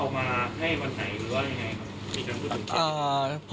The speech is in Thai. เอามาให้วันไหนหรือว่ายังไงครับ